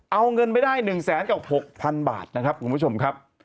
เอาเงินไปได้๑แสนกับ๖๐๐๐บาทนะครับคุณผู้ชมครับ